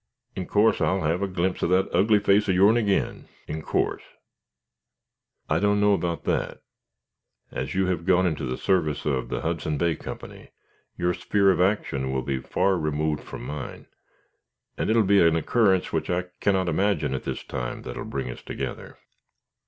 In course I'll have a glimpse of that ugly face of your'n agin. In course." "I don't know about that. As you have gone into the service of the Hudson Bay Company, your sphere of action will be far removed from mine, and it will be an occurrence which I cannot imagine at this time that will bring us together."